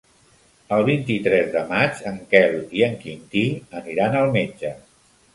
El vint-i-tres de maig en Quel i en Quintí aniran al metge.